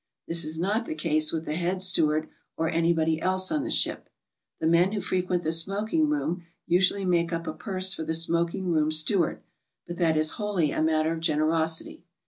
This is not the case with the head steward or any body else on the ship. The men who frequent the smoking room usually make up a purse for the smoking room stew ard, but that is wholly a matter of generosity.